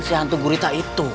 si hantu gurita itu